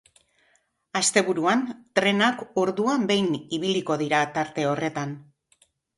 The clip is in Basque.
Asteburuan trenak orduan behin ibiliko dira tarte horretan.